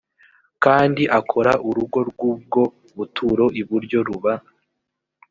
kandi akora urugo rw ubwo buturo iburyo ruba